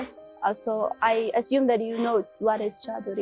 jadi saya yakin anda tahu apa itu cahduri